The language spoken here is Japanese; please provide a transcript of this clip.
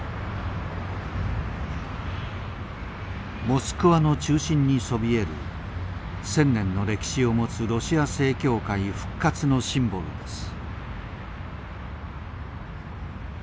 ☎モスクワの中心にそびえる１，０００年の歴史を持つロシア正教会復活のシンボルです。